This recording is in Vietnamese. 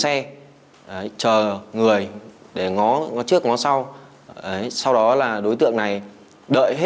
ở trong bến xe